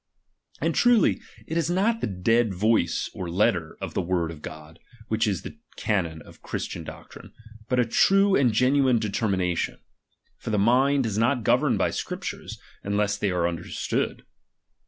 And truly, it is not the dead voice or letter of the word of God, which is the canon of Chris tian doctrine ; but a true and genuine determina tion. For the mind is not governed by Scriptures, unless they be understood.